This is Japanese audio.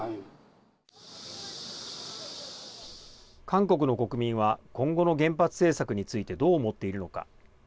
韓国の国民は今後の原発政策についてどう思っているのか。